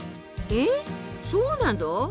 えっそうなの？